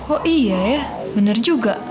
oh iya ya benar juga